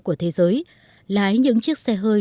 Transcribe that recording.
của thế giới lái những chiếc xe hơi